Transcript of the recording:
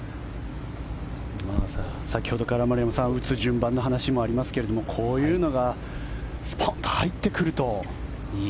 先ほどから丸山さん打つ順番の話もありますがこういうのがスポンと入ってくると。